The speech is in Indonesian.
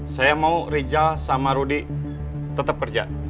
saya mau rijal sama rudy tetap kerja